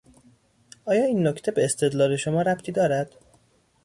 آیا این نکته به استدلال شما ربطی دارد؟